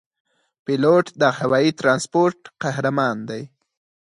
پیلوټ د هوايي ترانسپورت قهرمان دی.